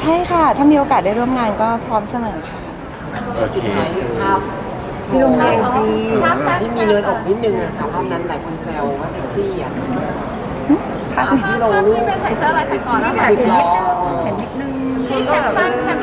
ใช่ค่ะถ้ามีโอกาสได้ร่วมงานก็พร้อมเสนอค่ะ